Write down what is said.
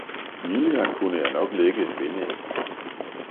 ville jeg, kunne jeg nok lægge et vindæg!